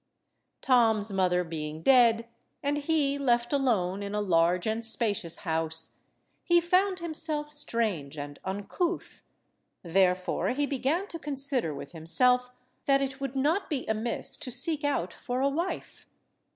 Tom's mother being dead, and he left alone in a large and spacious house, he found himself strange and uncouth, therefore he began to consider with himself that it would not be amiss to seek out for a wife.